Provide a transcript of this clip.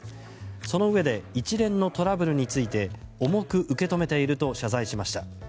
そのうえで一連のトラブルについて重く受け止めていると謝罪しました。